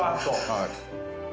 はい。